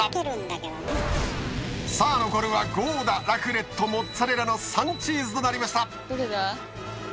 さあ残るはゴーダラクレットモッツァレラの３チーズとなりました！